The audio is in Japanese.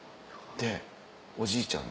でおじいちゃん